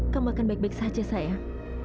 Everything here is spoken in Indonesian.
kamu akan baik baik saja sayang